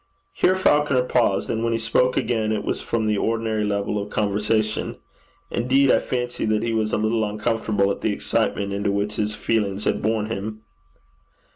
Here Falconer paused, and when he spoke again it was from the ordinary level of conversation. Indeed I fancied that he was a little uncomfortable at the excitement into which his feelings had borne him.